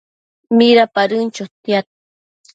Midapadën chotiad